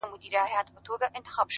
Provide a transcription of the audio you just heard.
په ټوله کلي کي د دوو خبرو څوک نه لري _